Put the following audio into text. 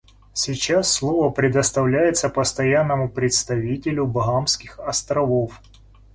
Сейчас слово предоставляется Постоянному представителю Багамских Островов.